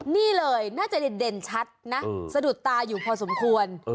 นี่เลยน่าจะเด่นชัดนะสะดุดตาอยู่พอสมควร